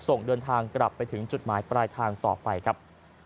ส่งเดินทางกลับไปถึงจุดหมายปลายทางต่อไปครับ